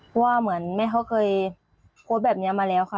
เพราะว่าเหมือนแม่เขาเคยโพสต์แบบนี้มาแล้วค่ะ